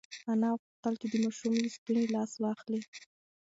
انا غوښتل چې د ماشوم له ستوني لاس واخلي.